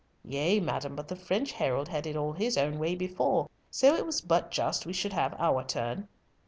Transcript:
"Yea, madam, but the French herald had it all his own way before. So it was but just we should have our turn."